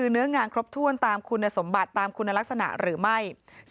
๓เนื้องานครบถ้วนตามคุณสมบัติหรือไม่